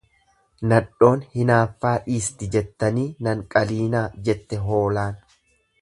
Nadhoon hinaaffaa dhiisti jettanii nan qalinaa jette hoolaan.